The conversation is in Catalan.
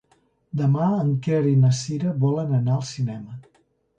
Demà en Quer i na Cira volen anar al cinema.